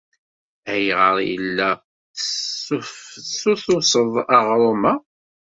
Ayɣer ay la tesseftutuseḍ aɣrum-a?